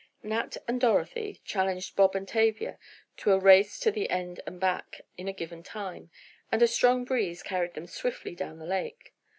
Nat and Dorothy challenged Bob and Tavia to a race to the end and back in a given time, and a strong breeze carried them swiftly down the lake.